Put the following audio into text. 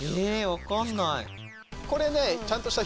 分かんない。